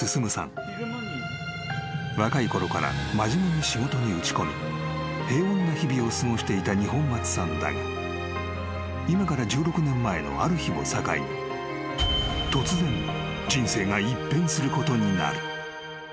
［若いころから真面目に仕事に打ち込み平穏な日々を過ごしていた二本松さんだが今から１６年前のある日を境に突然人生が一変することになる］